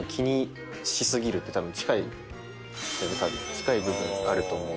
近い部分あると思う。